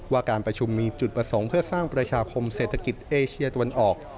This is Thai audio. การประชุมมีจุดประสงค์เพื่อสร้างประชาคมเศรษฐกิจเอเชียตะวันออก